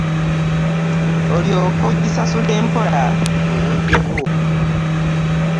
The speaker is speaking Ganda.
Olyoke ogisasule mpola mu budde bwo.